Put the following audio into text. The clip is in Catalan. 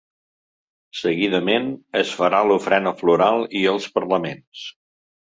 Seguidament, es farà l’ofrena floral i els parlaments.